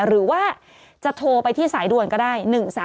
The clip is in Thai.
หรือว่าจะโทรไปที่สายด่วนก็ได้๑๓